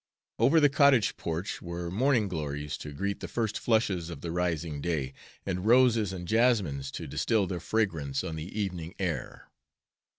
Over the cottage porch were morning glories to greet the first flushes of the rising day, and roses and jasmines to distill their fragrance on the evening air.